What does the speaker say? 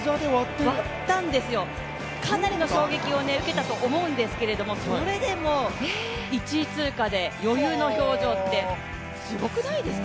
割ったんですよ、かなりの衝撃を受けたと思うんですけれどもそれでも１位通過で余裕の表情ってすごくないですか？